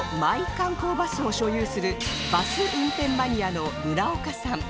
観光バスを所有するバス運転マニアの村岡さん